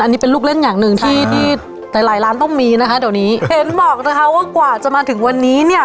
อันนี้เป็นลูกเล่นอย่างหนึ่งที่ที่หลายหลายร้านต้องมีนะคะเดี๋ยวนี้เห็นบอกนะคะว่ากว่าจะมาถึงวันนี้เนี่ย